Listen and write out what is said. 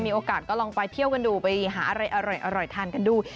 มีโอกาสก็ลองไปเที่ยวกันดูไปหาอะไรอร่อยทานกันดู